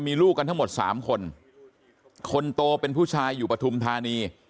มีลูกกันทั้งหมดสามคนคนโตเป็นผู้ชายอยู่ปฐุมธานี